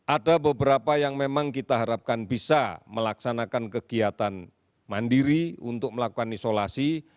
ada beberapa yang memang kita harapkan bisa melaksanakan kegiatan mandiri untuk melakukan isolasi